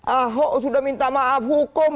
ahok sudah minta maaf hukum